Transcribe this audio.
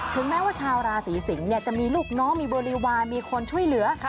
แม้ว่าชาวราศีสิงศ์จะมีลูกน้องมีบริวารมีคนช่วยเหลือ